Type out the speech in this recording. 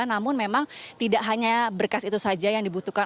namun memang tidak hanya berkas itu saja yang dibutuhkan